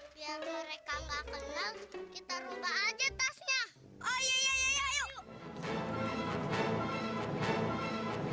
biar mereka gak kenal kita rubah aja tasnya